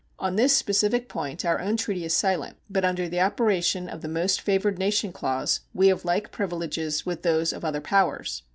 On this specific point our own treaty is silent, but under the operation of the most favored nation clause we have like privileges with those of other powers.